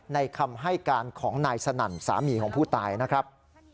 คำให้การของนายสนั่นสามีของผู้ตายนะครับ